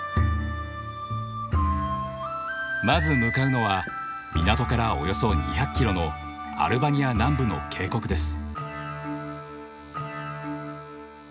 まず向かうのは港からおよそ２００キロのアルバニア南部の渓谷です。